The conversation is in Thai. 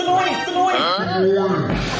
อืม